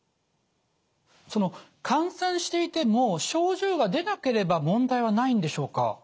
その感染していても症状が出なければ問題はないんでしょうか？